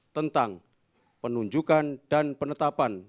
tentang penunjukan dan penetapan